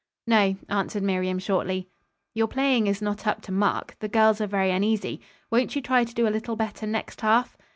"No," answered Miriam shortly. "Your playing is not up to mark. The girls are very uneasy. Won't you try to do a little better next half?"